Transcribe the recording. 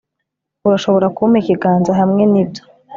urashobora kumpa ikiganza hamwe nibyo